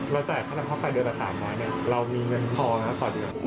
เราจ่ายคณะเข้าไฟเดือนแต่สามร้อยเนี่ยเรามีเงินพอนะต่อเดือน